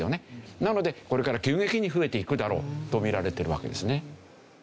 なのでこれから急激に増えていくだろうとみられてるわけですね。